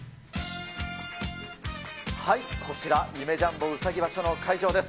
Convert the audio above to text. こちら、夢・ジャンボうさぎ場所の会場です。